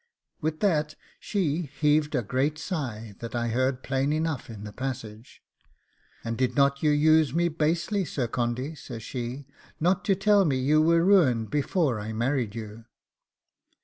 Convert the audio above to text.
With that she heaved a great sigh that I heard plain enough in the passage. 'And did not you use me basely, Sir Condy,' says she, 'not to tell me you were ruined before I married you?